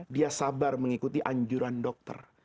dia sabar mengikuti anjuran dokter